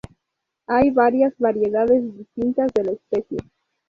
Hay varias variedades distintas de la especie.